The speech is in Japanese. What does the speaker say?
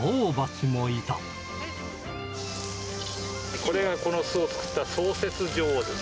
これがこの巣を作った、創設女王です。